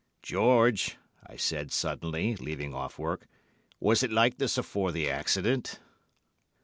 "'George,' I said suddenly, leaving off work, 'was it like this afore the accident?